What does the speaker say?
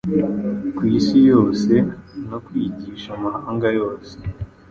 ku isi yose” no “kwigisha amahanga yose.”